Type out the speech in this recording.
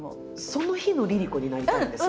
その日のＬｉＬｉＣｏになりたいんですよ。